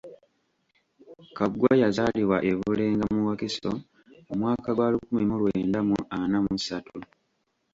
Kaggwa yazaalibwa e Bulenga mu Wakiso mu mwaka gwa lukumi mu lwenda mu ana mu ssatu.